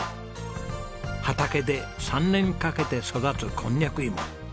畑で３年かけて育つこんにゃく芋。